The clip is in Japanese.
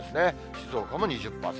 静岡も２０％。